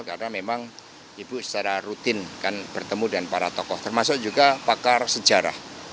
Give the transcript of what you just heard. karena memang ibu secara rutin kan bertemu dengan para tokoh termasuk juga pakar sejarah